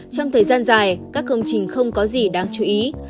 trong thời gian dài các công trình không có gì đáng chú ý